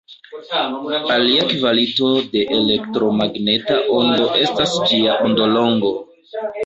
Alia kvalito de elektromagneta ondo estas ĝia ondolongo.